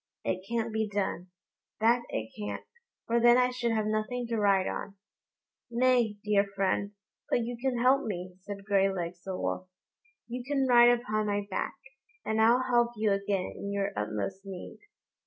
It can't be done, that it can't, for then I should have nothing to ride on." "Nay, dear friend, but you can help me," said Graylegs the wolf; "you can ride upon my back, and I'll help you again in your utmost need."